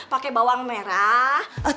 pake bawang merah